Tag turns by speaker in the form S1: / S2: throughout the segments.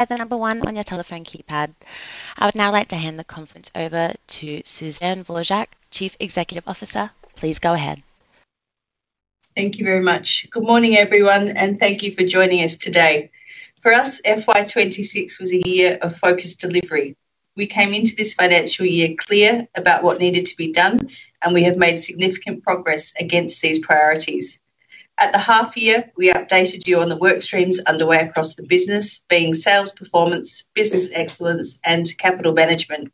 S1: I would now like to hand the conference over to Suzanne Dvorak, Chief Executive Officer. Please go ahead.
S2: Thank you very much. Good morning, everyone. Thank you for joining us today. For us, FY 2026 was a year of focused delivery. We came into this financial year clear about what needed to be done. We have made significant progress against these priorities. At the half year, we updated you on the workstreams underway across the business, being sales performance, business excellence, and capital management.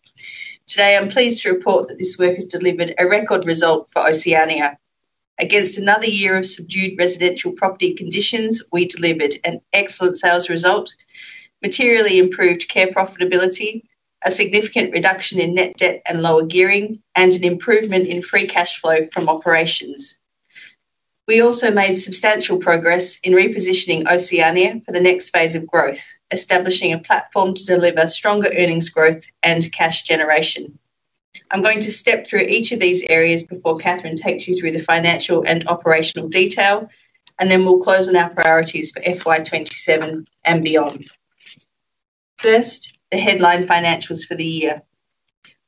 S2: Today, I'm pleased to report that this work has delivered a record result for Oceania. Against another year of subdued residential property conditions, we delivered an excellent sales result, materially improved care profitability, a significant reduction in net debt and lower gearing, and an improvement in free cash flow from operations. We also made substantial progress in repositioning Oceania for the next phase of growth, establishing a platform to deliver stronger earnings growth and cash generation. I am going to step through each of these areas before Kathryn takes you through the financial and operational detail. Then we will close on our priorities for FY 2027 and beyond. First, the headline financials for the year.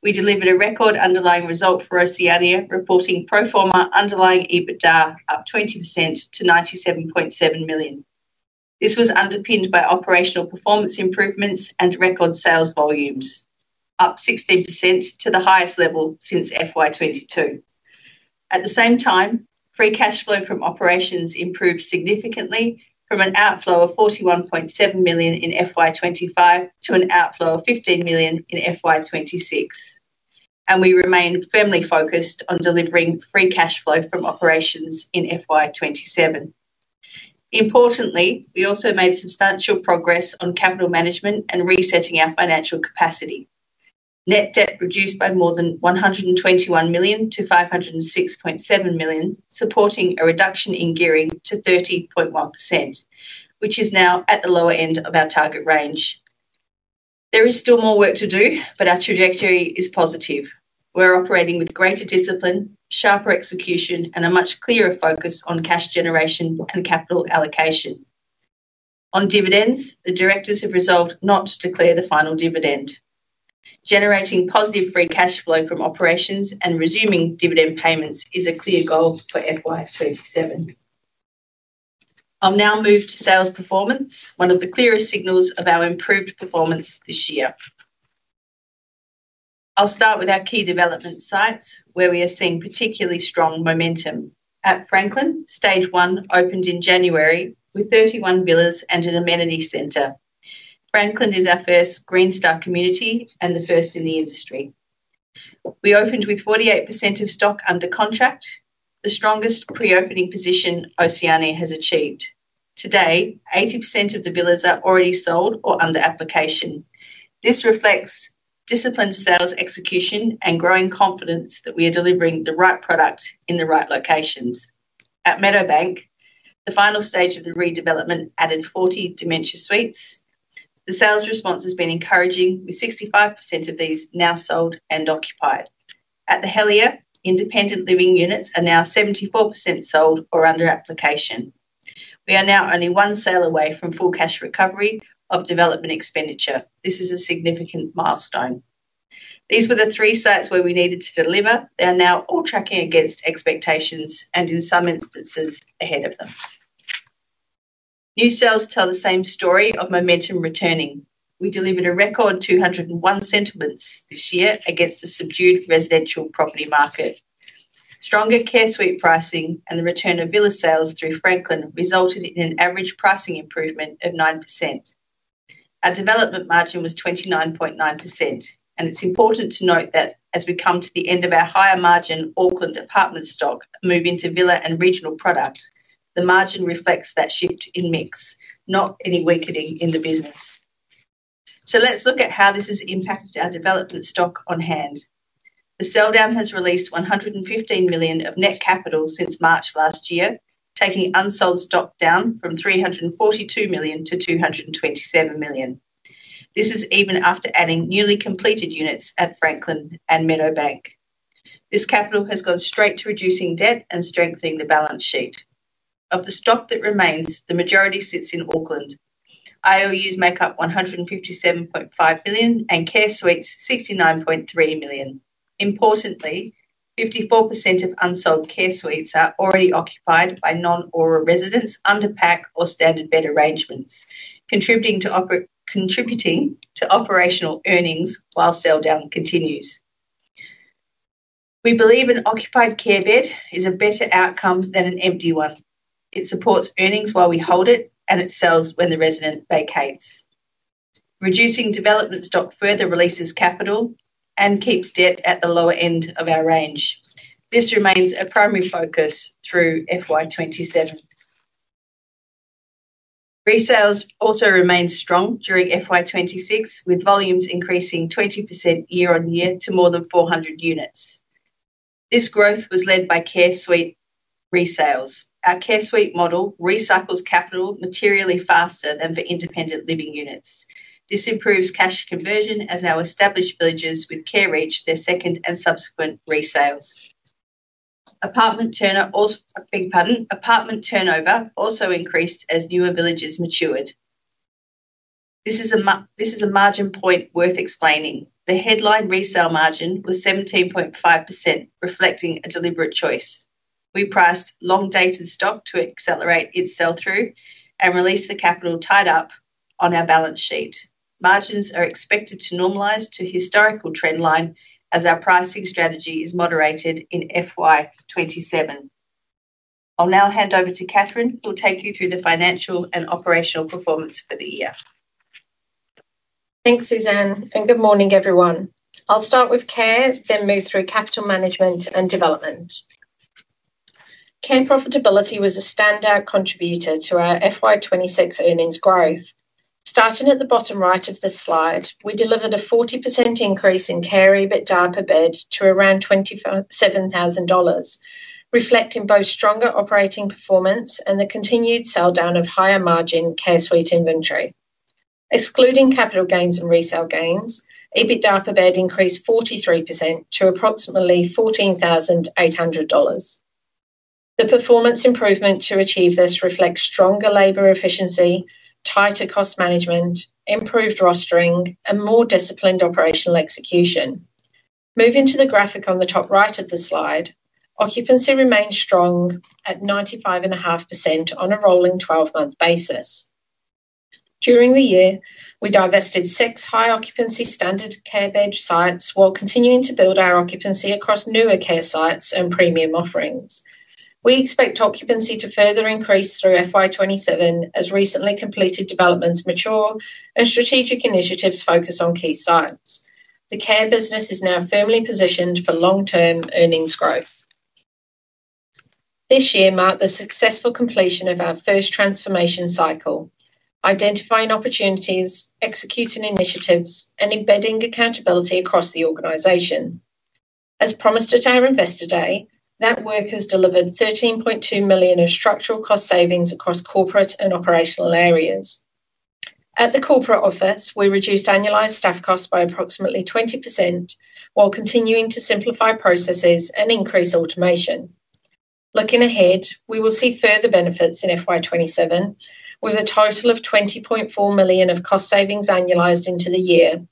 S2: We delivered a record underlying result for Oceania, reporting pro forma underlying EBITDA up 20% to $97.7 million. This was underpinned by operational performance improvements and record sales volumes, up 16% to the highest level since FY 2022. At the same time, free cash flow from operations improved significantly from an outflow of $41.7 million in FY 2025 to an outflow of $15 million in FY 2026. We remain firmly focused on delivering free cash flow from operations in FY 2027. Importantly, we also made substantial progress on capital management and resetting our financial capacity. Net debt reduced by more than $121 million to $506.7 million, supporting a reduction in gearing to 30.1%, which is now at the lower end of our target range. There is still more work to do, but our trajectory is positive. We're operating with greater discipline, sharper execution, and a much clearer focus on cash generation and capital allocation. On dividends, the directors have resolved not to declare the final dividend. Generating positive free cash flow from operations and resuming dividend payments is a clear goal for FY 2027. I'll now move to sales performance, one of the clearest signals of our improved performance this year. I'll start with our key development sites, where we are seeing particularly strong momentum. At Franklin, Stage 1 opened in January with 31 villas and an amenity center. Franklin is our first Green Star community and the first in the industry. We opened with 48% of stock under contract, the strongest pre-opening position Oceania has achieved. Today, 80% of the villas are already sold or under application. This reflects disciplined sales execution and growing confidence that we are delivering the right product in the right locations. At Meadowbank, the final stage of the redevelopment added 40 dementia suites. The sales response has been encouraging, with 65% of these now sold and occupied. At The Helier, independent living units are now 74% sold or under application. We are now only one sale away from full cash recovery of development expenditure. This is a significant milestone. These were the three sites where we needed to deliver. They are now all tracking against expectations and, in some instances, ahead of them. New sales tell the same story of momentum returning. We delivered a record 201 settlements this year against a subdued residential property market. Stronger Care Suite pricing and the return of villa sales through Franklin resulted in an average pricing improvement of 9%. Our development margin was 29.9%, and it's important to note that as we come to the end of our higher margin Auckland apartment stock move into villa and regional product, the margin reflects that shift in mix, not any weakening in the business. Let's look at how this has impacted our development stock on hand. The sell down has released $115 million of net capital since March last year, taking unsold stock down from $342 million to $227 million. This is even after adding newly completed units at Franklin and Meadowbank. This capital has gone straight to reducing debt and strengthening the balance sheet. Of the stock that remains, the majority sits in Auckland. ILUs make up $ 157.5 million and Care Suites $ 69.3 million. Importantly, 54% of unsold Care Suites are already occupied by non-ORA residents under PAC or standard bed arrangements, contributing to operational earnings while sell down continues. We believe an occupied care bed is a better outcome than an empty one. It supports earnings while we hold it and it sells when the resident vacates. Reducing development stock further releases capital and keeps debt at the lower end of our range. This remains a primary focus through FY 2027. Resales also remained strong during FY 2026, with volumes increasing 20% year-on-year to more than 400 units. This growth was led by Care Suite resales. Our Care Suite model recycles capital materially faster than the independent living units. This improves cash conversion as our established villages with care reach their second and subsequent resales. Apartment turnover also increased as newer villages matured. This is a margin point worth explaining. The headline resale margin was 17.5%, reflecting a deliberate choice. We priced long-dated stock to accelerate its sell-through and release the capital tied up on our balance sheet. Margins are expected to normalize to historical trend line as our pricing strategy is moderated in FY 2027. I'll now hand over to Kathryn, who'll take you through the financial and operational performance for the year.
S3: Thanks, Suzanne. Good morning, everyone. I'll start with Care, then move through capital management and development. Care profitability was a standout contributor to our FY 2026 earnings growth. Starting at the bottom right of this slide, we delivered a 40% increase in care EBITDA per bed to around $27,000, reflecting both stronger operating performance and the continued sell down of higher margin Care Suite inventory. Excluding capital gains and resale gains, EBITDA per bed increased 43% to approximately $14,800. The performance improvement to achieve this reflects stronger labor efficiency, tighter cost management, improved rostering, and more disciplined operational execution. Moving to the graphic on the top right of the slide, occupancy remained strong at 95.5% on a rolling 12-month basis. During the year, we divested six high occupancy standard care bed sites while continuing to build our occupancy across newer care sites and premium offerings. We expect occupancy to further increase through FY 2027 as recently completed developments mature and strategic initiatives focus on key sites. The care business is now firmly positioned for long-term earnings growth. This year marked the successful completion of our first transformation cycle, identifying opportunities, executing initiatives, and embedding accountability across the organization. As promised at our Investor Day, that work has delivered $13.2 million of structural cost savings across corporate and operational areas. At the corporate office, we reduced annualized staff costs by approximately 20%, while continuing to simplify processes and increase automation. Looking ahead, we will see further benefits in FY 2027, with a total of $20.4 million of cost savings annualized into the year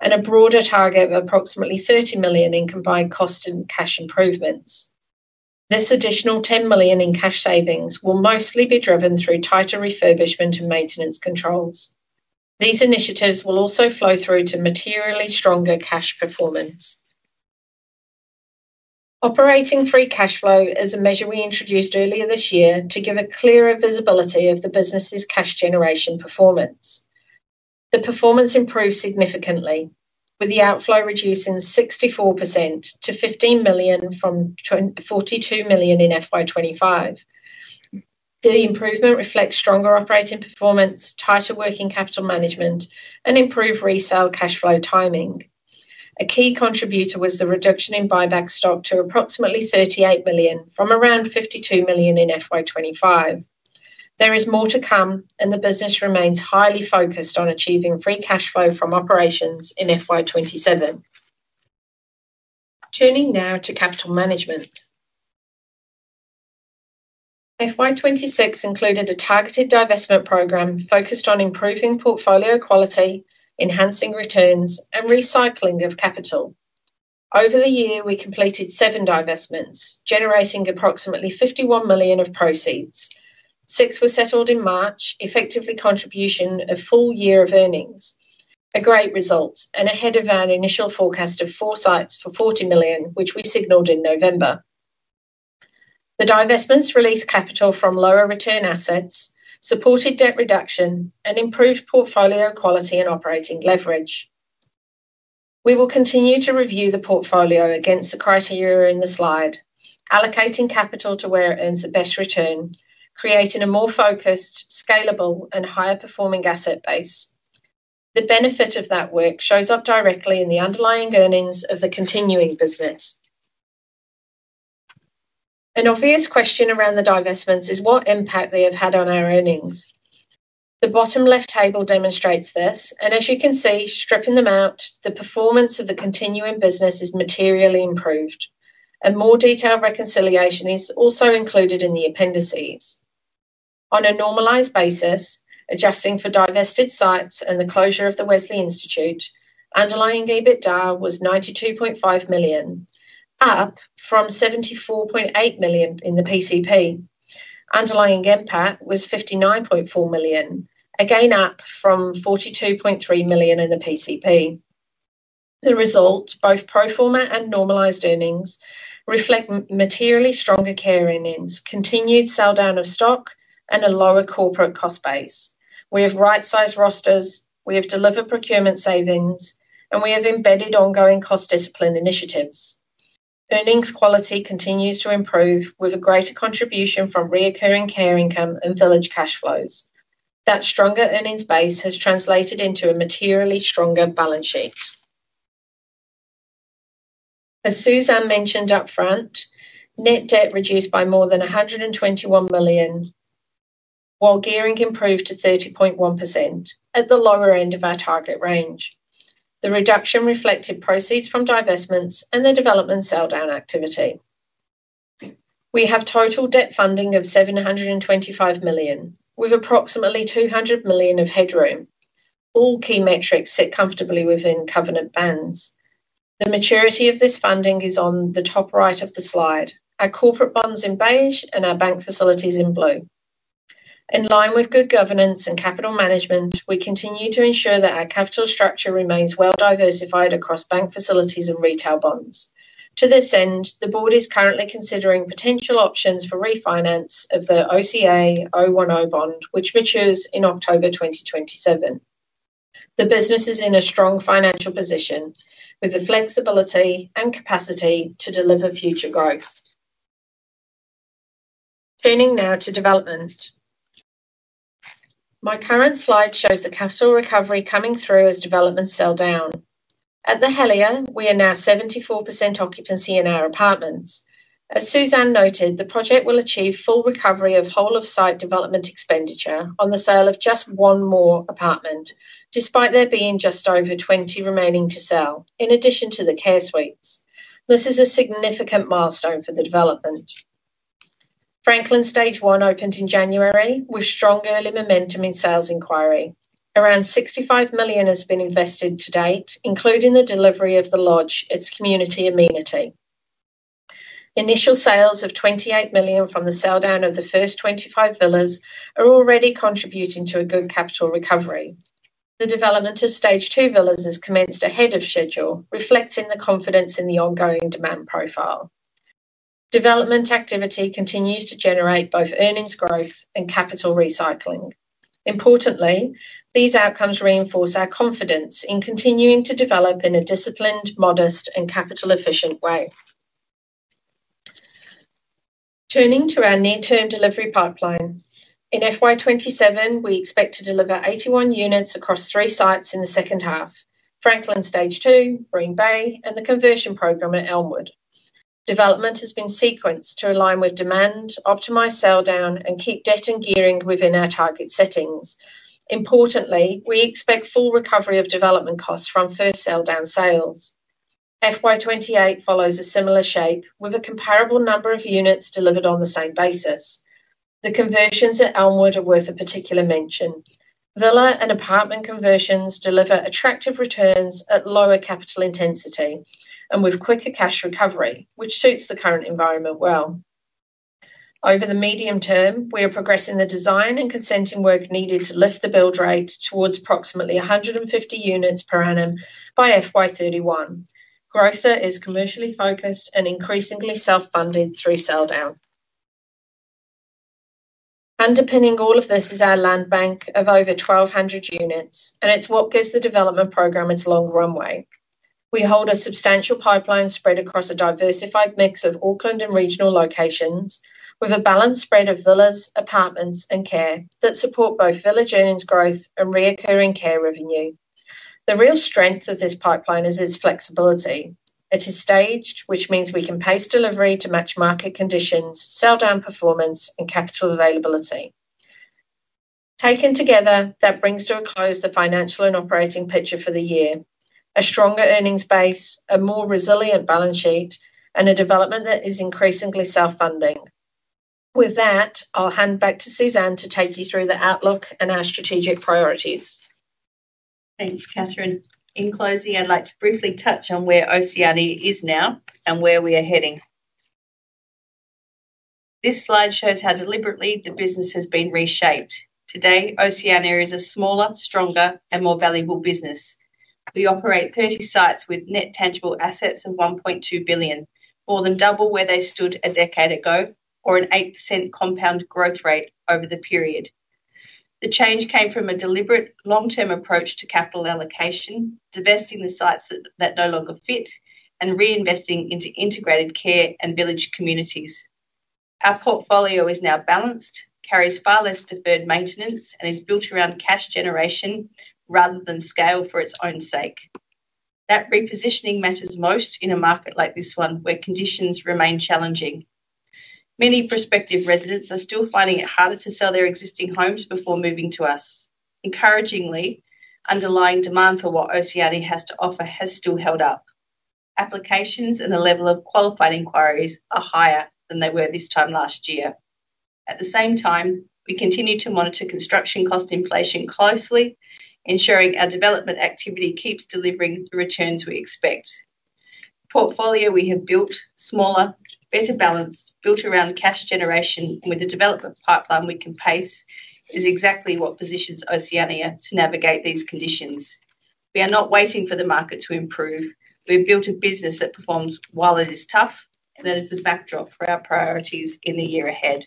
S3: and a broader target of approximately $30 million in combined cost and cash improvements. This additional $10 million in cash savings will mostly be driven through tighter refurbishment and maintenance controls. These initiatives will also flow through to materially stronger cash performance. Operating free cash flow is a measure we introduced earlier this year to give a clearer visibility of the business's cash generation performance. The performance improved significantly, with the outflow reducing 64% to $15 million from $42 million in FY 2025. The improvement reflects stronger operating performance, tighter working capital management, and improved resale cash flow timing. A key contributor was the reduction in buyback stock to approximately $38 million from around $52 million in FY 2025. There is more to come. The business remains highly focused on achieving free cash flow from operations in FY 2027. Turning now to capital management. FY 2026 included a targeted divestment program focused on improving portfolio quality, enhancing returns, and recycling of capital. Over the year, we completed seven divestments, generating approximately $51 million of proceeds. Six were settled in March, effectively contribution a full year of earnings, a great result, and ahead of our initial forecast of four sites for $40 million, which we signaled in November. The divestments released capital from lower return assets, supported debt reduction, and improved portfolio quality and operating leverage. We will continue to review the portfolio against the criteria in the slide, allocating capital to where it earns the best return, creating a more focused, scalable, and higher-performing asset base. The benefit of that work shows up directly in the underlying earnings of the continuing business. An obvious question around the divestments is what impact they have had on our earnings. The bottom left table demonstrates this, and as you can see, stripping them out, the performance of the continuing business is materially improved. A more detailed reconciliation is also included in the appendices. On a normalized basis, adjusting for divested sites and the closure of the Wesley Institute, underlying EBITDA was $92.5 million, up from $74.8 million in the PCP. Underlying NPAT was $59.4 million, again up from $42.3 million in the PCP. The result, both pro forma and normalized earnings reflect materially stronger care earnings, continued sell down of stock, and a lower corporate cost base. We have right-sized rosters, we have delivered procurement savings, and we have embedded ongoing cost discipline initiatives. Earnings quality continues to improve with a greater contribution from reoccurring care income and village cash flows. That stronger earnings base has translated into a materially stronger balance sheet. As Suzanne mentioned upfront, net debt reduced by more than $121 million. Gearing improved to 30.1% at the lower end of our target range. The reduction reflected proceeds from divestments and the development sell down activity. We have total debt funding of $725 million, with approximately $200 million of headroom. All key metrics sit comfortably within covenant bands. The maturity of this funding is on the top right of the slide, our corporate bonds in beige and our bank facilities in blue. In line with good governance and capital management, we continue to ensure that our capital structure remains well-diversified across bank facilities and retail bonds. To this end, the board is currently considering potential options for refinance of the OCA010 bond, which matures in October 2027. The business is in a strong financial position, with the flexibility and capacity to deliver future growth. Turning now to development. My current slide shows the capital recovery coming through as developments sell down. At The Helier, we are now 74% occupancy in our apartments. As Suzanne noted, the project will achieve full recovery of whole of site development expenditure on the sale of just one more apartment, despite there being just over 20 remaining to sell, in addition to the Care Suites. This is a significant milestone for the development. Franklin Stage 1 opened in January with strong early momentum in sales inquiry. Around $65 million has been invested to date, including the delivery of the lodge, its community amenity. Initial sales of $28 million from the sell down of the first 25 villas are already contributing to a good capital recovery. The development of Stage 2 villas has commenced ahead of schedule, reflecting the confidence in the ongoing demand profile. Development activity continues to generate both earnings growth and capital recycling. Importantly, these outcomes reinforce our confidence in continuing to develop in a disciplined, modest and capital efficient way. Turning to our near-term delivery pipeline. In FY 2027, we expect to deliver 81 units across three sites in the second half, Franklin Stage 2, Bream Bay, and the conversion program at Elmwood. Development has been sequenced to align with demand, optimize sell down, and keep debt and gearing within our target settings. Importantly, we expect full recovery of development costs from third sell down sales. FY 2028 follows a similar shape with a comparable number of units delivered on the same basis. The conversions at Elmwood are worth a particular mention. Villa and apartment conversions deliver attractive returns at lower capital intensity and with quicker cash recovery, which suits the current environment well. Over the medium term, we are progressing the design and consenting work needed to lift the build rate towards approximately 150 units per annum by FY 2031. Growth that is commercially focused and increasingly self-funded through sell down. Underpinning all of this is our land bank of over 1,200 units, and it's what gives the development program its long runway. We hold a substantial pipeline spread across a diversified mix of Auckland and regional locations with a balanced spread of villas, apartments and care that support both villa earnings growth and reoccurring care revenue. The real strength of this pipeline is its flexibility. It is staged, which means we can pace delivery to match market conditions, sell down performance and capital availability. Taken together, that brings to a close the financial and operating picture for the year. A stronger earnings base, a more resilient balance sheet, and a development that is increasingly self-funding. With that, I'll hand back to Suzanne to take you through the outlook and our strategic priorities.
S2: Thanks, Kathryn. In closing, I'd like to briefly touch on where Oceania is now and where we are heading. This slide shows how deliberately the business has been reshaped. Today, Oceania is a smaller, stronger, and more valuable business. We operate 30 sites with net tangible assets of $1.2 billion, more than double where they stood a decade ago, or an 8% compound growth rate over the period. The change came from a deliberate long-term approach to capital allocation, divesting the sites that no longer fit, and reinvesting into integrated care and village communities. Our portfolio is now balanced, carries far less deferred maintenance, and is built around cash generation rather than scale for its own sake. That repositioning matters most in a market like this one, where conditions remain challenging. Many prospective residents are still finding it harder to sell their existing homes before moving to us. Encouragingly, underlying demand for what Oceania has to offer has still held up. Applications and the level of qualified inquiries are higher than they were this time last year. We continue to monitor construction cost inflation closely, ensuring our development activity keeps delivering the returns we expect. The portfolio we have built, smaller, better balanced, built around cash generation, and with a development pipeline we can pace, is exactly what positions Oceania to navigate these conditions. We are not waiting for the market to improve. We've built a business that performs while it is tough, and that is the backdrop for our priorities in the year ahead.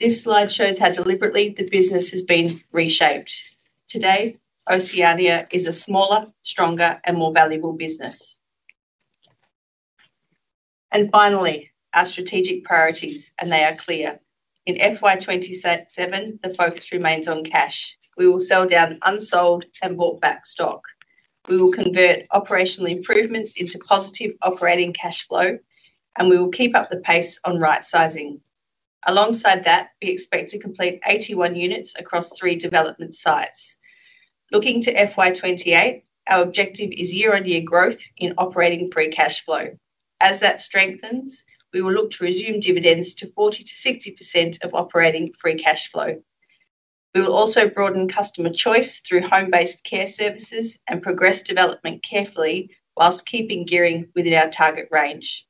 S2: This slide shows how deliberately the business has been reshaped. Today, Oceania is a smaller, stronger, and more valuable business. Finally, our strategic priorities, and they are clear. In FY 2027, the focus remains on cash. We will sell down unsold and bought back stock. We will convert operational improvements into positive operating cash flow. We will keep up the pace on right sizing. Alongside that, we expect to complete 81 units across three development sites. Looking to FY 2028, our objective is year-over-year growth in operating free cash flow. As that strengthens, we will look to resume dividends to 40%-60% of operating free cash flow. We will also broaden customer choice through home-based care services and progress development carefully while keeping gearing within our target range.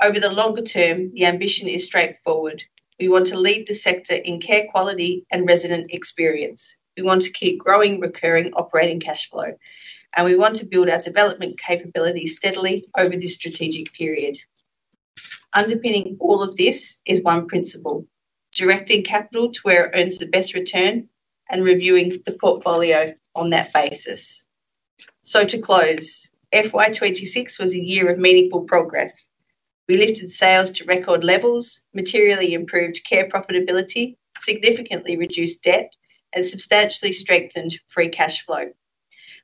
S2: Over the longer term, the ambition is straightforward. We want to lead the sector in care quality and resident experience. We want to keep growing recurring operating cash flow. We want to build our development capabilities steadily over this strategic period. Underpinning all of this is one principle, directing capital to where it earns the best return and reviewing the portfolio on that basis. To close, FY 2026 was a year of meaningful progress. We lifted sales to record levels, materially improved care profitability, significantly reduced debt, and substantially strengthened free cash flow,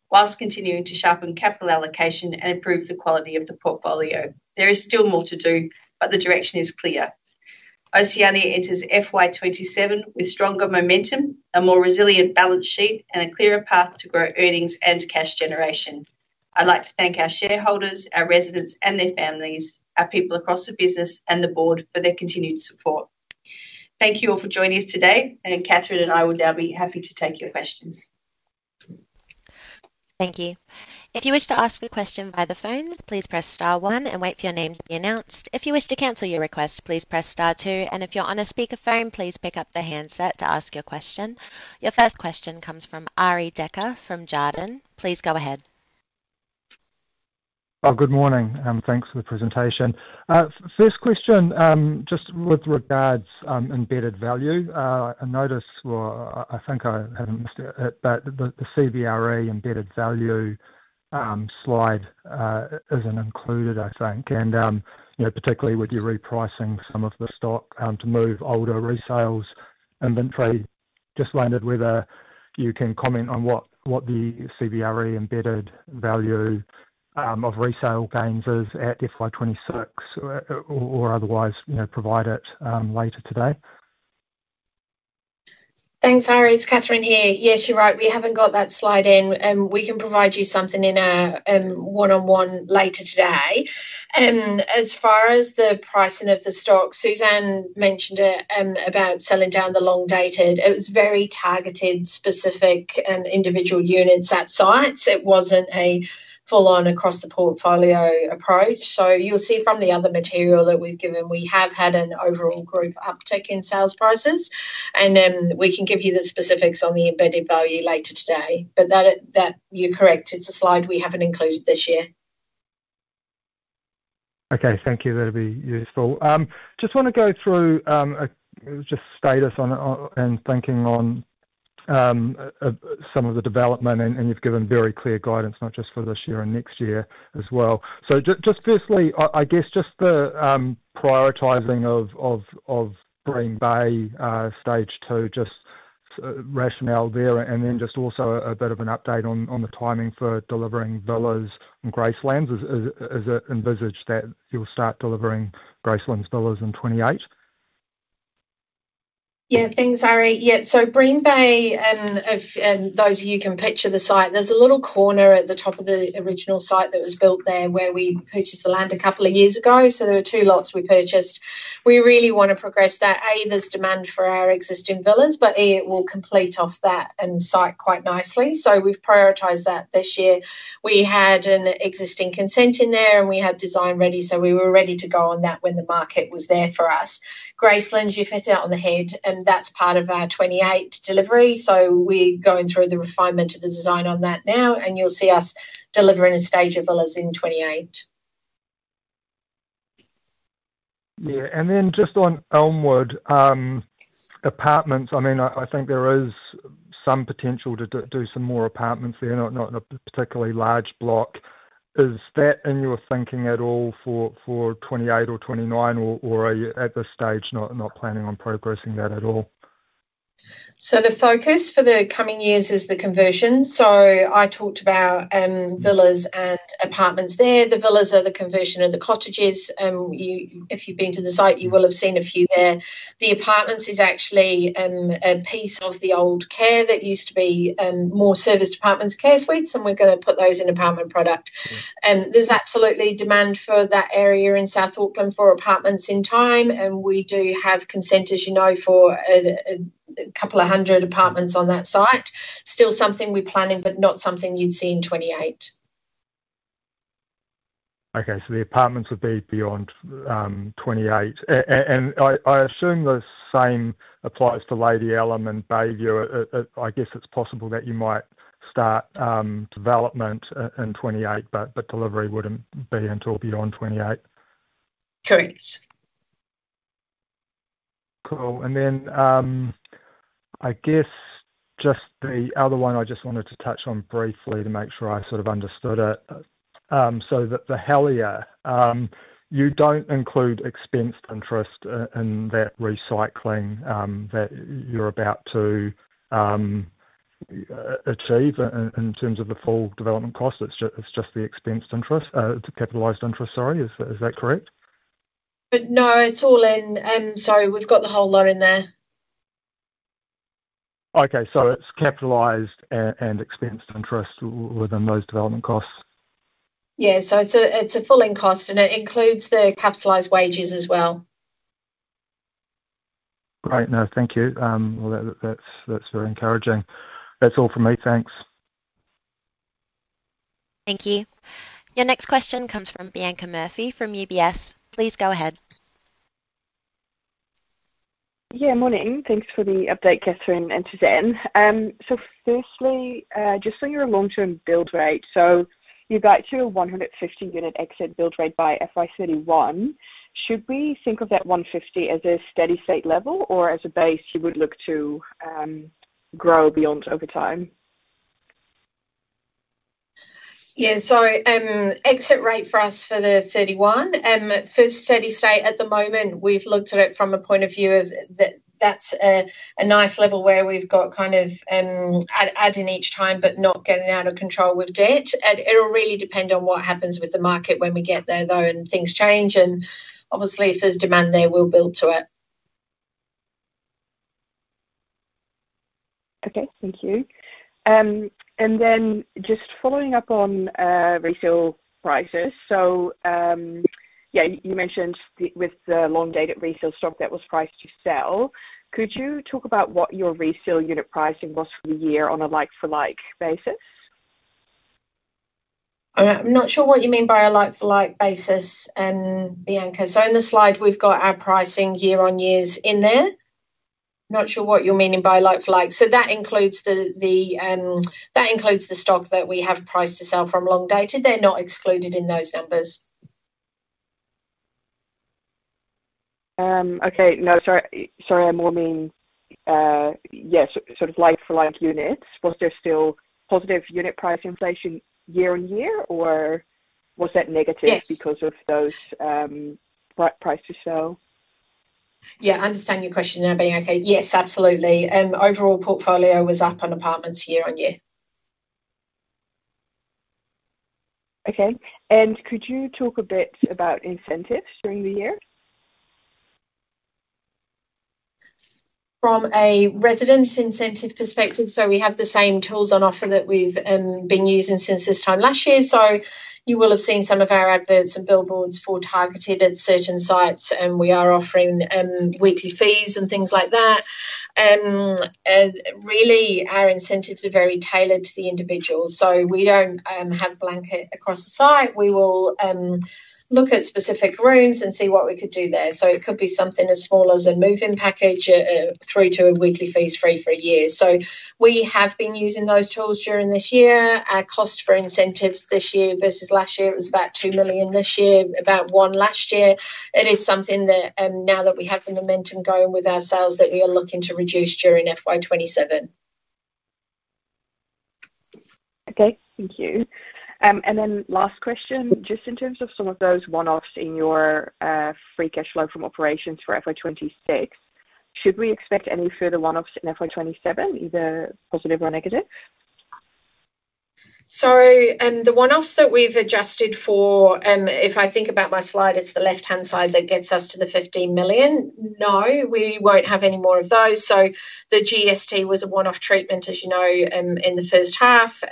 S2: while continuing to sharpen capital allocation and improve the quality of the portfolio. There is still more to do, but the direction is clear. Oceania enters FY 2027 with stronger momentum, a more resilient balance sheet, and a clearer path to grow earnings and cash generation. I'd like to thank our shareholders, our residents and their families, our people across the business, and the board for their continued support. Thank you all for joining us today. Kathryn and I would now be happy to take your questions.
S1: Thank you. If you wish to ask a question by phone, please press star one and wait for your name to be announced. If you wish to cancel your request, please press star two. If you're on a speakerphone, please pick up the handset to ask your question. Your first question comes from Arie Dekker from Jarden. Please go ahead.
S4: Oh, good morning, and thanks for the presentation. First question, just with regards embedded value. I notice or I think I missed it, but the CBRE embedded value slide isn't included, I think. Particularly with your repricing some of the stock to move older resales inventory, just wondered whether you can comment on what the CBRE embedded value of resale gains is at FY 2026 or otherwise provide it later today?
S3: Thanks, Arie. It's Kathryn here. Yes, you're right, we haven't got that slide in. We can provide you something in our one-on-one later today. As far as the pricing of the stock, Suzanne mentioned it about selling down the long-dated. It was very targeted, specific, individual units at sites. It wasn't a full-on across the portfolio approach. You'll see from the other material that we've given, we have had an overall group uptick in sales prices, and we can give you the specifics on the embedded value later today. You're correct, it's a slide we haven't included this year.
S4: Okay, thank you. That'll be useful. Just want to go through just status and thinking on some of the development. You've given very clear guidance not just for this year and next year as well. Just firstly, I guess just the prioritizing of Bream Bay Stage 2, just rationale there and then just also a bit of an update on the timing for delivering villas in Gracelands. Is it envisaged that you'll start delivering Gracelands villas in 2028?
S2: Thanks, Arie. Bream Bay, those of you who can picture the site, there's a little corner at the top of the original site that was built there where we purchased the land a couple of years ago. There are two lots we purchased. We really want to progress that. There's demand for our existing villas, but it will complete off that end site quite nicely. We've prioritized that this year. We had an existing consent in there, and we had design ready, so we were ready to go on that when the market was there for us. Gracelands, you're spot on the head, and that's part of our 2028 delivery. We're going through the refinement of the design on that now, and you'll see us delivering a stage of villas in 2028.
S4: Then just on Elmwood apartments, I think there is some potential to do some more apartments there, not in a particularly large block. Is that in your thinking at all for 2028 or 2029, or are you at this stage not planning on progressing that at all?
S2: The focus for the coming years is the conversion. I talked about villas and apartments there. The villas are the conversion of the cottages. If you've been to the site, you will have seen a few there. The apartments is actually a piece of the old care that used to be more serviced apartments, care suites, and we're going to put those in apartment product. There's absolutely demand for that area in South Auckland for apartments in time, and we do have consent, as you know, for a couple of hundred apartments on that site. Still something we're planning, but not something you'd see in 2028.
S4: The apartments would be beyond 2028. I assume the same applies to Lady Allum and The Bayview. It's possible that you might start development in 2028, but delivery wouldn't be until beyond 2028.
S2: Correct.
S4: Cool. I guess just the other one I just wanted to touch on briefly to make sure I sort of understood it. The Helier, you don't include expensed interest in that recycling that you're about to achieve in terms of the full development cost. It's just the expensed interest, capitalized interest, sorry. Is that correct?
S3: No, it's all in. We've got the whole lot in there.
S4: Okay. It's capitalized and expensed interest within those development costs.
S3: Yeah. It's a full in cost, and it includes the capitalized wages as well.
S4: Great. No, thank you. Well, that's very encouraging. That's all from me. Thanks.
S1: Thank you. Your next question comes from Bianca Murphy from UBS. Please go ahead.
S5: Morning. Thanks for the update, Kathryn and Suzanne. Firstly, just on your long-term build rate. You got to a 150 unit exit build rate by FY 2031. Should we think of that 150 as a steady-state level or as a base you would look to grow beyond over time?
S3: Exit rate for us for 2031, first steady state at the moment, we've looked at it from a point of view of that's a nice level where we've got adding each time but not getting out of control with debt. It'll really depend on what happens with the market when we get there, though, and things change, and obviously, if there's demand there, we'll build to it.
S5: Okay. Thank you. Just following up on resale prices. You mentioned with the long-dated resale stock that was priced to sell. Could you talk about what your resale unit pricing was for the year on a like-for-like basis?
S3: I'm not sure what you mean by a like-for-like basis, Bianca. In the slide, we've got our pricing year-on-year in there. Not sure what you're meaning by like-for-like. That includes the stock that we have priced to sell from long-dated. They're not excluded in those numbers.
S5: Okay. No, sorry. Yes, sort of like-for-like units. Was there still positive unit price inflation year-on-year, or was that negative-
S3: Yes....
S5: because of those price to sell?
S3: I understand your question now, Bianca. Yes, absolutely. Overall portfolio was up on apartments year-on-year.
S5: Okay. Could you talk a bit about incentives during the year?
S3: From a resident incentive perspective. We have the same tools on offer that we've been using since this time last year. You will have seen some of our adverts and billboards for targeted at certain sites, and we are offering weekly fees and things like that. Really, our incentives are very tailored to the individual. We don't have blanket across the site. We will look at specific rooms and see what we could do there. It could be something as small as a move-in package through to a weekly fees free for a year. We have been using those tools during this year. Our cost for incentives this year versus last year, it was about $2 million this year, about $1 million last year. It is something that now that we have the momentum going with our sales, that we are looking to reduce during FY 2027.
S5: Okay. Thank you. Last question, just in terms of some of those one-offs in your free cash flow from operations for FY 2026, should we expect any further one-offs in FY 2027, either positive or negative?
S3: The one-offs that we've adjusted for, if I think about my slide, it's the left-hand side that gets us to the $15 million. No, we won't have any more of those. The GST was a one-off treatment, as you know, in the first half.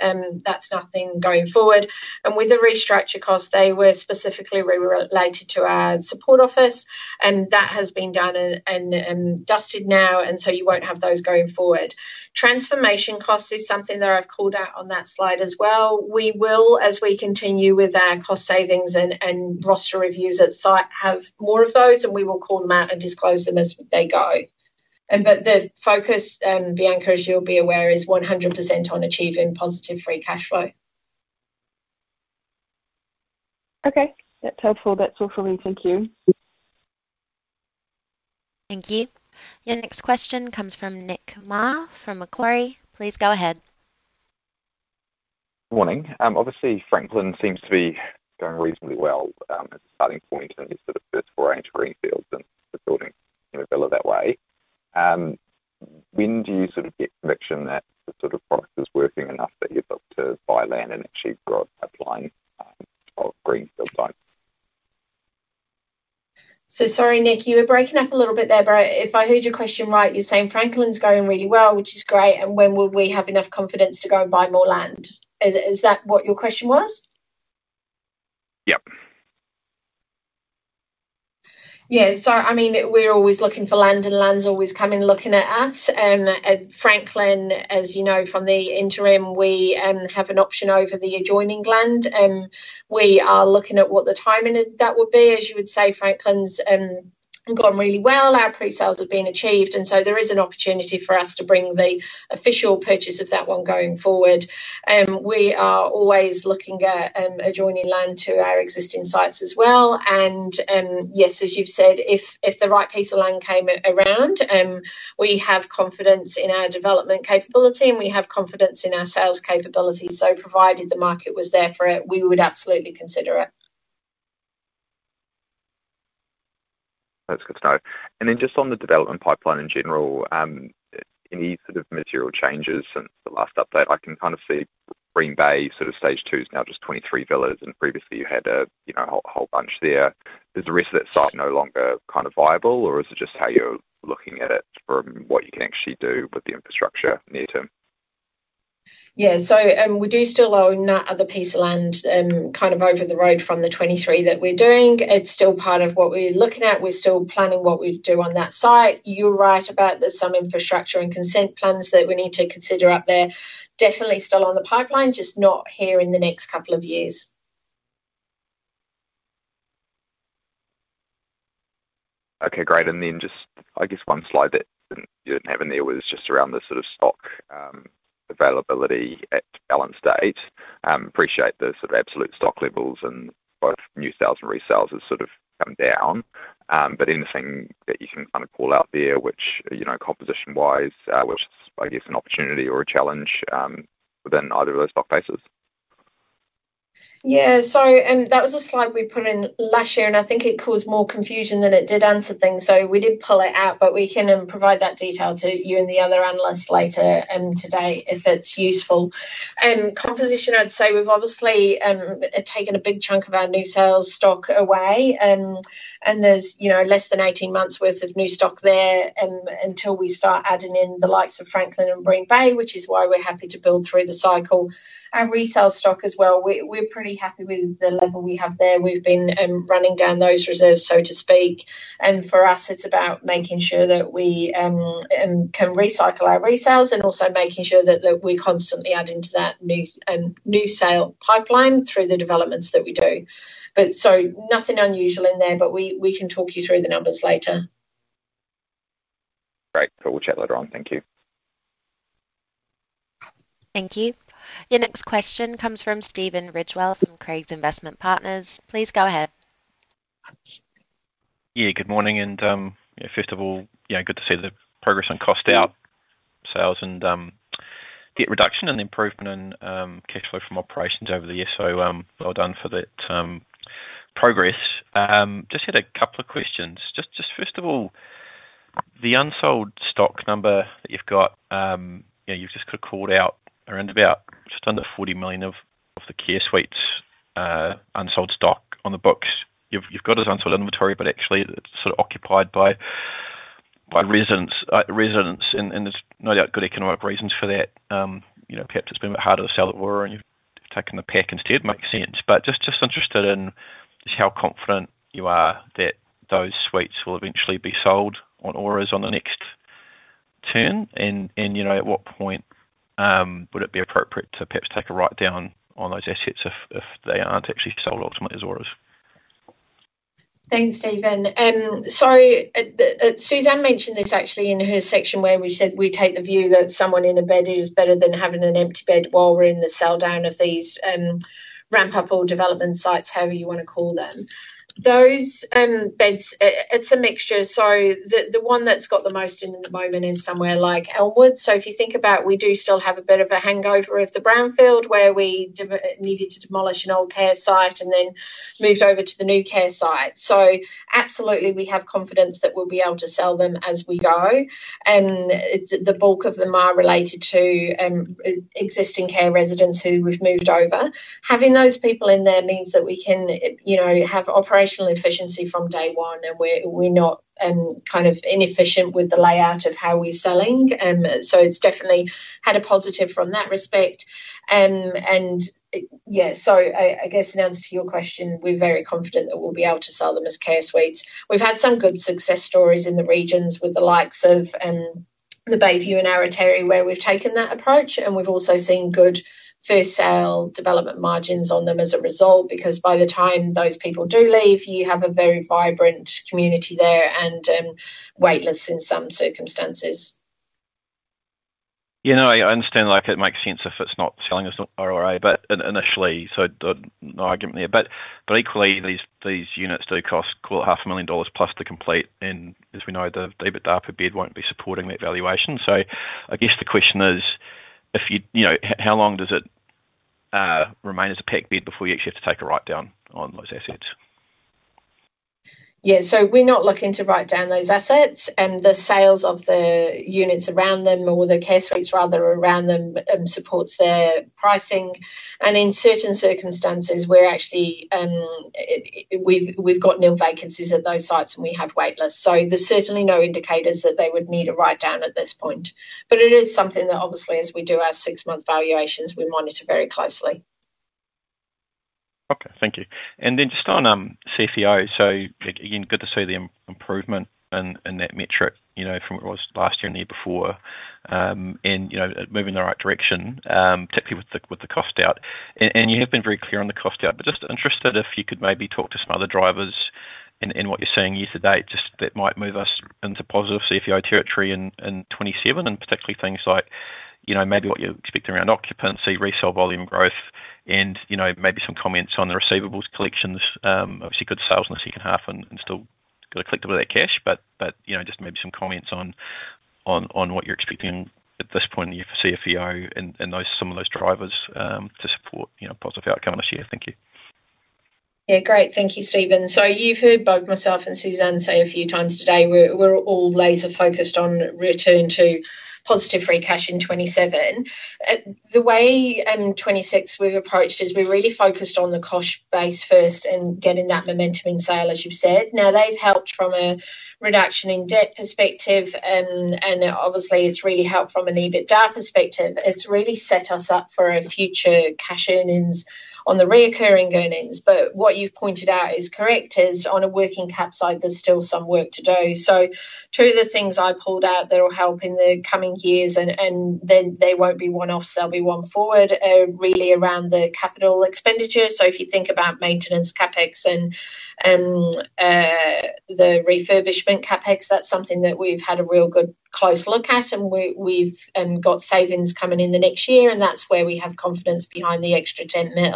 S3: That's nothing going forward. With the restructure cost, they were specifically related to our support office, and that has been done and dusted now, you won't have those going forward. Transformation cost is something that I've called out on that slide as well. We will, as we continue with our cost savings and roster reviews at site, have more of those, and we will call them out and disclose them as they go. The focus, Bianca, as you'll be aware, is 100% on achieving positive free cash flow.
S5: Okay. That's helpful. That's all from me. Thank you.
S1: Thank you. Your next question comes from Nick Maher from Macquarie. Please go ahead.
S6: Morning. Obviously, Franklin seems to be going reasonably well as a starting point in this sort of first foray into Greenfield and the building. When do you sort of get conviction that the sort of product is working enough that you look to buy land and actually grow a pipeline of Greenfield sites?
S2: Sorry, Nick, you were breaking up a little bit there, but if I heard your question right, you're saying Franklin's going really well, which is great, and when will we have enough confidence to go and buy more land? Is that what your question was?
S6: Yep.
S2: We're always looking for land, and land's always coming, looking at us. At Franklin, as you know from the interim, we have an option over the adjoining land. We are looking at what the timing of that would be. As you would say, Franklin's gone really well. Our pre-sales have been achieved, there is an opportunity for us to bring the official purchase of that one going forward. We are always looking at adjoining land to our existing sites as well. Yes, as you've said, if the right piece of land came around, we have confidence in our development capability, and we have confidence in our sales capability. Provided the market was there for it, we would absolutely consider it.
S6: That's good to know. Just on the development pipeline in general, any sort of material changes since the last update? I can kind of see Bream Bay sort of Stage 2 is now just 23 villas, and previously you had a whole bunch there. Is the rest of that site no longer kind of viable, or is it just how you're looking at it from what you can actually do with the infrastructure near term?
S2: We do still own that other piece of land kind of over the road from the 23 that we're doing. It's still part of what we're looking at. We're still planning what we'd do on that site. You're right about there's some infrastructure and consent plans that we need to consider up there. Definitely still on the pipeline, just not here in the next couple of years.
S6: Okay, great. Just, I guess one slide that you didn't have in there was just around the sort of stock availability at balance date. Appreciate the sort of absolute stock levels and both new sales and resales has sort of come down. Anything that you can kind of call out there which, composition-wise, which is, I guess, an opportunity or a challenge, within either of those stock bases?
S3: That was a slide we put in last year, and I think it caused more confusion than it did answer things. We did pull it out, but we can provide that detail to you and the other analysts later in today if it's useful. Composition, I'd say we've obviously, taken a big chunk of our new sales stock away, and there's less than 18 months worth of new stock there, until we start adding in the likes of Franklin and Bream Bay, which is why we're happy to build through the cycle. Our resale stock as well, we're pretty happy with the level we have there. We've been running down those reserves, so to speak. For us, it's about making sure that we can recycle our resales and also making sure that we're constantly adding to that new sale pipeline through the developments that we do. Nothing unusual in there, but we can talk you through the numbers later.
S6: Great. Cool. We'll chat later on. Thank you.
S1: Thank you. Your next question comes from Stephen Ridgewell from Craigs Investment Partners. Please go ahead.
S7: Good morning. First of all, good to see the progress on cost out sales and debt reduction and improvement in cash flow from operations over the year. Well done for that progress. Just had a couple of questions. Just first of all, the unsold stock number that you have got, you have just called out around about just under $40 million of the Care Suites, unsold stock on the books. You have got it as unsold inventory, but actually, it is sort of occupied by residents. There is no doubt good economic reasons for that. Perhaps it has been a bit harder to sell at ORA, and you have taken the PAC instead. Makes sense. Just interested in just how confident you are that those Care Suites will eventually be sold on ORAs on the next turn and at what point would it be appropriate to perhaps take a write-down on those assets if they aren't actually sold ultimately as ORAs?
S3: Thanks, Stephen. Suzanne mentioned this actually in her section where we said we take the view that someone in a bed is better than having an empty bed while we're in the sell down of these ramp-up or development sites, however you want to call them. Those beds, it's a mixture. The one that's got the most in at the moment is somewhere like Elmwood. If you think about, we do still have a bit of a hangover of the Brownfield, where we needed to demolish an old care site and then moved over to the new care site. Absolutely, we have confidence that we'll be able to sell them as we go. The bulk of them are related to existing care residents who we've moved over. Having those people in there means that we can have operational efficiency from day one, and we're not kind of inefficient with the layout of how we're selling. It's definitely had a positive from that respect. I guess in answer to your question, we're very confident that we'll be able to sell them as Care Suites. We've had some good success stories in the regions with the likes of, the Bayview and Awatere, where we've taken that approach, and we've also seen good first sale development margins on them as a result, because by the time those people do leave, you have a very vibrant community there and waitlists in some circumstances.
S7: I understand, like, it makes sense if it's not selling as an ORA, but initially, no argument there. Equally, these units do cost $500,000+ to complete, and as we know, the EBITDA for bed won't be supporting that valuation. I guess the question is, how long does it remain as a PAC bed before you actually have to take a write-down on those assets?
S3: We're not looking to write down those assets. The sales of the units around them or the Care Suites rather around them, supports their pricing. In certain circumstances, we've got no vacancies at those sites and we have waitlists. There's certainly no indicators that they would need a write-down at this point. It is something that obviously as we do our six-month valuations, we monitor very closely.
S7: Okay. Thank you. Then just on CFFO. Again, good to see the improvement in that metric, from what it was last year and the year before, and moving in the right direction, particularly with the cost out. You have been very clear on the cost out, but just interested if you could maybe talk to some other drivers in what you're seeing year to date just that might move us into positive CFFO territory in 2027, and particularly things like maybe what you're expecting around occupancy, resell volume growth, and maybe some comments on the receivables collections. Obviously good sales in the second half and still got to collect a bit of that cash, but just maybe some comments on what you're expecting at this point in the year for CFFO and some of those drivers to support positive outcome this year. Thank you.
S3: Great. Thank you, Stephen. You've heard both myself and Suzanne say a few times today, we're all laser-focused on return to positive free cash in 2027. The way in 2026 we've approached is we really focused on the cost base first and getting that momentum in sale, as you've said. They've helped from a reduction in debt perspective and obviously it's really helped from an EBITDA perspective. It's really set us up for a future cash earnings on the reoccurring earnings. What you've pointed out is correct, is on a working cap side, there's still some work to do. Two of the things I pulled out that will help in the coming years and then they won't be one-offs, they'll be one forward, really around the capital expenditure. If you think about maintenance CapEx and the refurbishment CapEx, that's something that we've had a real good close look at and we've got savings coming in the next year, and that's where we have confidence behind the extra $10 million.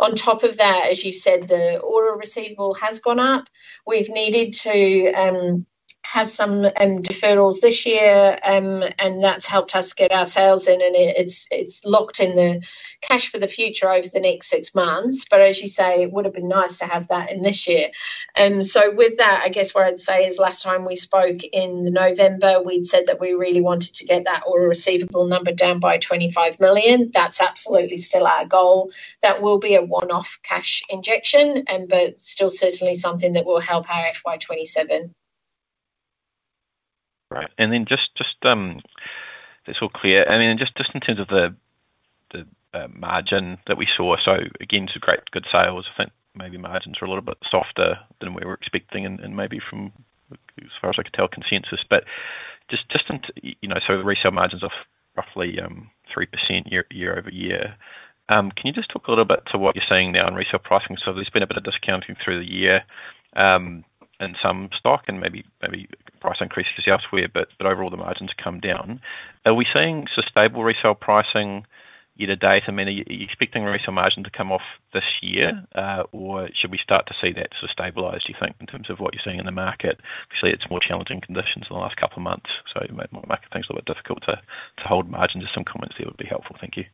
S3: On top of that, as you've said, the ORA receivable has gone up. We've needed to have some deferrals this year, and that's helped us get our sales in, and it's locked in the cash for the future over the next six months. As you say, it would've been nice to have that in this year. With that, I guess what I'd say is last time we spoke in November, we'd said that we really wanted to get that ORA receivable number down by $25 million. That's absolutely still our goal. That will be a one-off cash injection, but still certainly something that will help our FY 2027.
S7: Right. Just, that's all clear. Just in terms of the margin that we saw. Again, some great good sales. I think maybe margins were a little bit softer than we were expecting and maybe from, as far as I could tell, consensus. Just so the resale margins are roughly 3% year-over-year. Can you just talk a little bit to what you're seeing now in resale pricing? There's been a bit of discounting through the year, in some stock and maybe price increases elsewhere, but overall the margins come down. Are we seeing sustainable resale pricing year to date? Are you expecting resale margin to come off this year? Should we start to see that stabilized, do you think, in terms of what you're seeing in the market? It's more challenging conditions in the last couple of months. It made more market things a little bit difficult to hold margins. Just some comments there would be helpful. Thank you.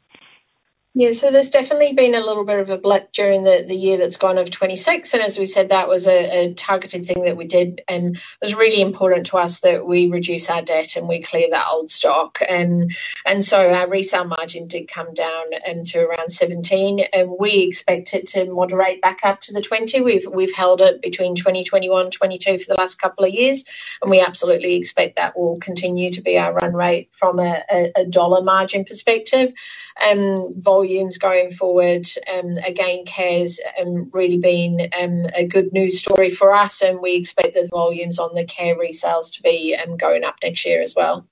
S3: There's definitely been a little bit of a blip during the year that's gone of 2026. As we said, that was a targeted thing that we did. It was really important to us that we reduce our debt and we clear that old stock. Our resale margin did come down to around 17%, and we expect it to moderate back up to 20%. We've held it between 20%, 21%, 22% for the last couple of years. We absolutely expect that will continue to be our run rate from a dollar margin perspective. Volumes going forward, again, Care's really been a good news story for us. We expect the volumes on the Care resales to be going up next year as well.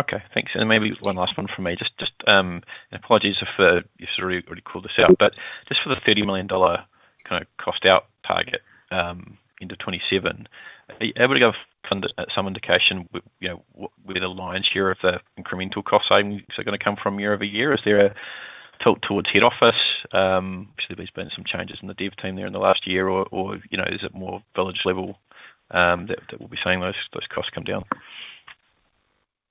S7: Okay, thanks. Maybe one last one from me. Just, apologies if you've already called this out, but just for the $30 million cost out target into 2027. Are you able to give some indication where the lion's share of the incremental cost savings are going to come from year-over-year? Is there a tilt towards head office? Obviously, there's been some changes in the dev team there in the last year or is it more village level that we'll be seeing those costs come down?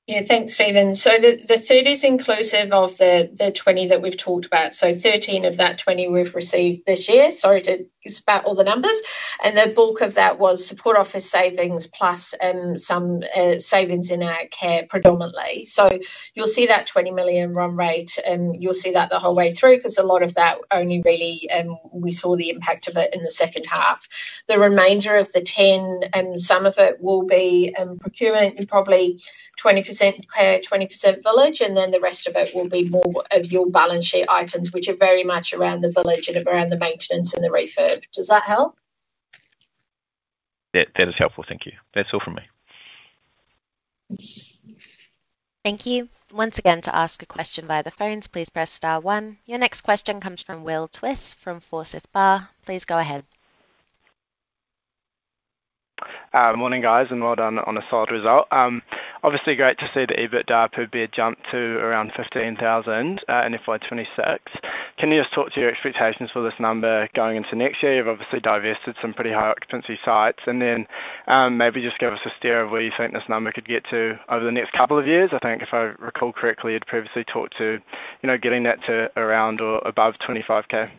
S3: Thanks, Stephen. The $30 million is inclusive of the $20 million that we've talked about. $13 million of that $20 million we've received this year. Sorry to spat all the numbers. The bulk of that was support office savings plus some savings in our care predominantly. You'll see that $20 million run rate, you'll see that the whole way through because a lot of that only really, we saw the impact of it in the second half. The remainder of the $10 million, some of it will be procurement and probably 20% care, 20% village, and then the rest of it will be more of your balance sheet items, which are very much around the village and around the maintenance and the refurb. Does that help?
S7: That is helpful. Thank you. That's all from me.
S1: Thank you. Once again, to ask a question by phone, please press star one. Your next question comes from Will Twiss from Forsyth Barr. Please go ahead.
S8: Morning, guys. Well done on a solid result. Obviously, great to see the EBITDA per bed jump to around $15,000 in FY 2026. Can you just talk to your expectations for this number going into next year? You've obviously divested some pretty high occupancy sites and then, maybe just give us a steer of where you think this number could get to over the next couple of years. I think if I recall correctly, you'd previously talked to getting that to around or above $25,000.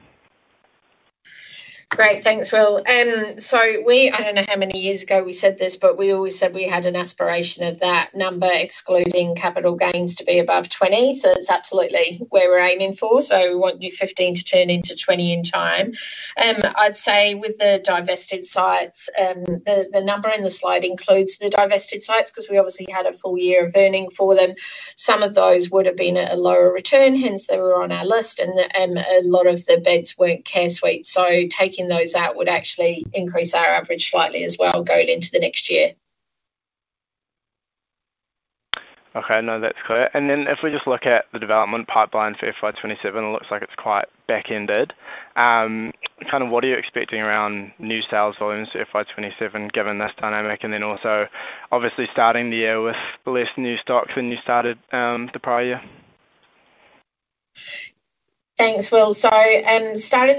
S3: Great. Thanks, Will. I don't know how many years ago we said this, but we always said we had an aspiration of that number excluding capital gains to be above $20,000. That's absolutely where we're aiming for. We want your $15,000 to turn into $20,000 in time. I'd say with the divested sites, the number and the slide includes the divested sites because we obviously had a full year of earning for them. Some of those would've been at a lower return, hence they were on our list and a lot of the beds weren't Care Suites. Taking those out would actually increase our average slightly as well going into the next year.
S8: Okay. No, that's clear. If we just look at the development pipeline for FY 2027, it looks like it's quite back-ended. What are you expecting around new sales volumes FY 2027 given this dynamic and then also obviously starting the year with less new stock than you started, the prior year?
S2: Thanks, Will. Starting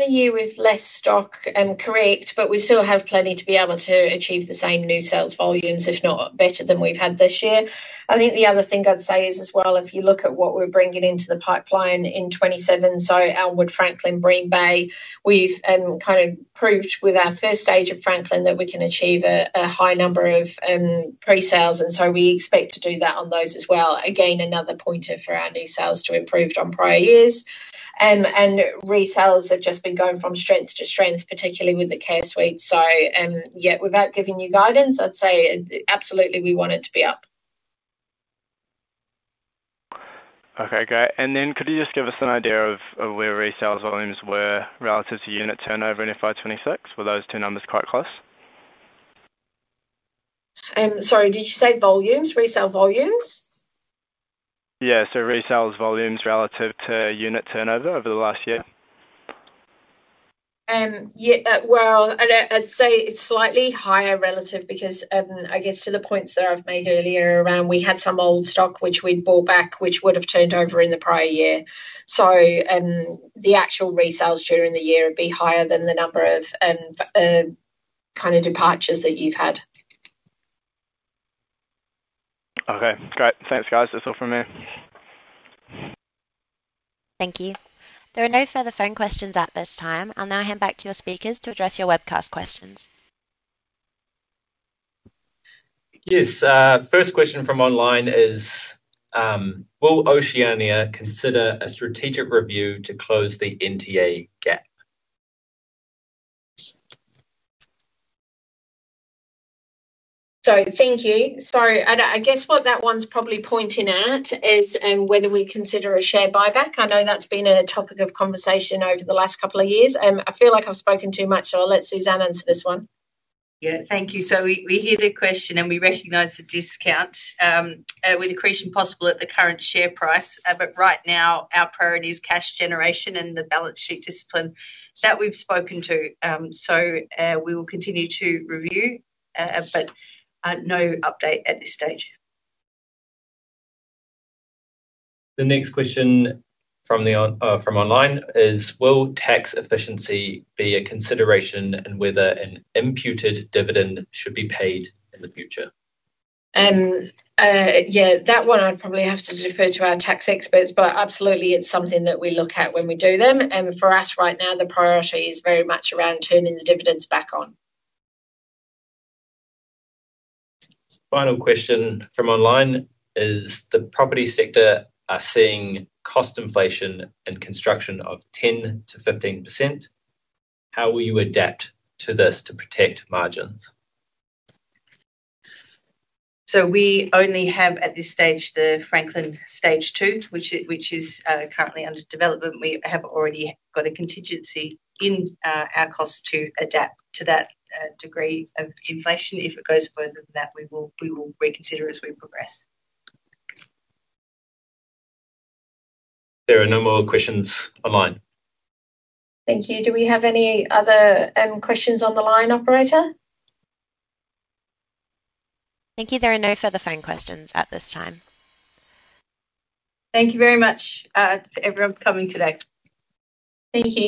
S2: the year with less stock, correct, but we still have plenty to be able to achieve the same new sales volumes, if not better than we've had this year. I think the other thing I'd say is as well, if you look at what we're bringing into the pipeline in 2027, so Elmwood, Franklin, Bream Bay. We've kind of proved with our first stage of Franklin that we can achieve a high number of pre-sales, and so we expect to do that on those as well. Again, another pointer for our new sales to improve on prior years. Resales have just been going from strength to strength, particularly with the Care Suite. Without giving you guidance, I'd say absolutely we want it to be up.
S8: Okay, great. Then could you just give us an idea of where resale volumes were relative to unit turnover in FY 2026? Were those two numbers quite close?
S3: Sorry, did you say volumes, resale volumes?
S8: Resales volumes relative to unit turnover over the last year.
S3: Well, I'd say it's slightly higher relative because, I guess to the points that I've made earlier around we had some old stock which we'd bought back, which would've turned over in the prior year. The actual resales during the year would be higher than the number of kind of departures that you've had.
S8: Okay, great. Thanks, guys. That's all from me.
S1: Thank you. There are no further phone questions at this time. I'll now hand back to your speakers to address your webcast questions.
S9: Yes, first question from online is, will Oceania consider a strategic review to close the NTA gap?
S3: Thank you. I guess what that one's probably pointing at is whether we consider a share buyback. I know that's been a topic of conversation over the last couple of years. I feel like I've spoken too much, so I'll let Suzanne answer this one.
S2: Thank you. We hear the question, and we recognize the discount, with accretion possible at the current share price. Right now, our priority is cash generation and the balance sheet discipline that we've spoken to. We will continue to review, but no update at this stage.
S9: The next question from online is, will tax efficiency be a consideration in whether an imputed dividend should be paid in the future?
S3: That one I'd probably have to defer to our tax experts, but absolutely, it's something that we look at when we do them. For us right now, the priority is very much around turning the dividends back on.
S9: Final question from online is, the property sector are seeing cost inflation in construction of 10%-15%. How will you adapt to this to protect margins?
S2: We only have, at this stage, the Franklin Stage 2, which is currently under development. We have already got a contingency in our costs to adapt to that degree of inflation. If it goes further than that, we will reconsider as we progress.
S9: There are no more questions online.
S2: Thank you. Do we have any other questions on the line, operator?
S1: Thank you. There are no further phone questions at this time.
S2: Thank you very much, everyone for coming today.
S3: Thank you.